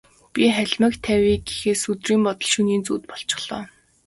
Би халимаг тавья гэхээс өдрийн бодол, шөнийн зүүд болчихлоо.